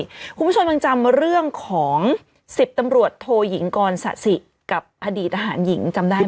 คุณผู้ชมยังจำเรื่องของ๑๐ตำรวจโทยิงกรสะสิกับอดีตทหารหญิงจำได้ไหม